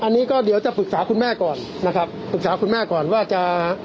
อันนี้ก็เดี๋ยวจะปรึกษาคุณแม่ก่อนนะครับปรึกษาคุณแม่ก่อนว่าจะ